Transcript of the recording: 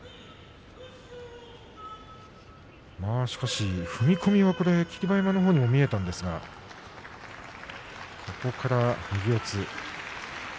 まあしかし踏み込みは霧馬山とも見えたんですがそこから右四つ。